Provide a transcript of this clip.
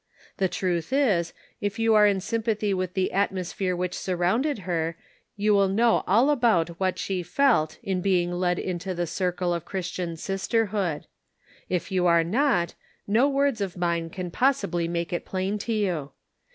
The truth is, if you are in sympathy with the atmos phere which surrounded her, you will know all about what she felt in being led into the circle of Christian sisterhood. If you are not, no words of mine can possibly make it plain to you.